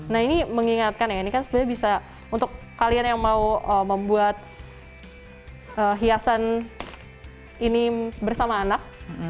nah ini mengingatkan ya ini kan sebenarnya bisa untuk kalian yang mau membuat hiasan ini bersama anak